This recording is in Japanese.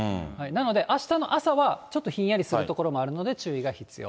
なので、あしたの朝はちょっとひんやりする所もあるので、注意が必要。